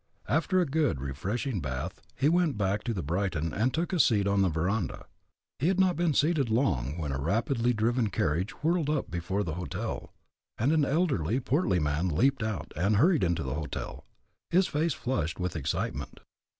After a good, refreshing bath he went back to the Brighton and took a seat on the veranda. He had not been seated long when a rapidly driven carriage whirled up before the hotel, and an elderly, portly man leaped out and hurried into the hotel, his face flushed with excitement.